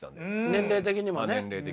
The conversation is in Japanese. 年齢的にも。